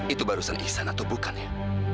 itu barusan iksan atau bukannya